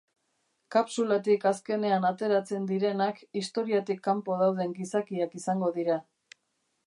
Kapsulatik azkenean ateratzen direnak historiatik kanpo dauden gizakiak izango dira.